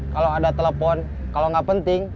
kalau ada telepon kalau nggak penting